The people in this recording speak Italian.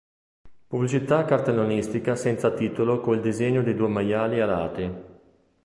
Pubblicità cartellonistica senza titolo con il disegno di due maiali alati.